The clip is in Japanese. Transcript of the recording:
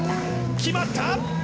決まった！